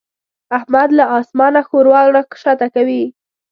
احمد له اسمانه ښوروا راکښته کوي.